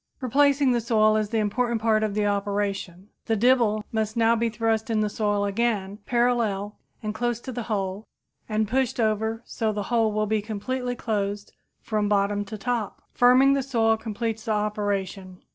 Replacing the soil is the important part of the operation. The dibble must now be thrust in the soil again, parallel and close to the hole, and the soil pushed over so the hole will be completely closed from bottom to top. Firming the soil completes the operation.